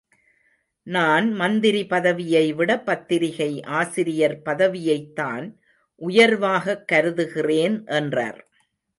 நான் மந்திரி பதவியைவிட பத்திரிகை ஆசிரியர் பதவியைத்தான் உயர்வாகக் கருதுகிறேன் என்றார்.